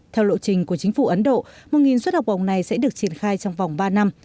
theo lộ trình của chính phủ ấn độ một suất học bổng này sẽ được triển khai trong vòng ba năm